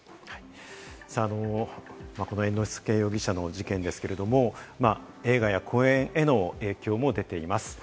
この猿之助容疑者の事件ですけれども、映画や公演への影響も出ています。